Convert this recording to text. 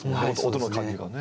音の感じがね。